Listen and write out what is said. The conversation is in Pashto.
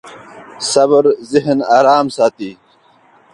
صبر ذهن ارام ساتي.